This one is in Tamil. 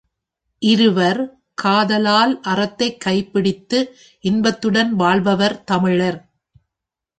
இருவர், காதலால் அறத்தைக் கைப்பிடித்து இன்பத்துடன் வாழ்பவர் தமிழர்.